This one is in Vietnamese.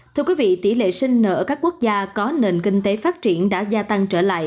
thưa quý vị tỷ lệ sinh nở ở các quốc gia có nền kinh tế phát triển đã gia tăng trở lại